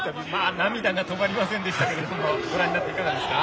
涙が止まりませんでしたけどもご覧になって、いかがですか。